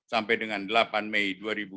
sampai dengan delapan mei dua ribu dua puluh